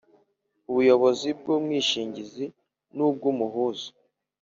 Ubuyobozi bw umwishingizi n ubw umuhuza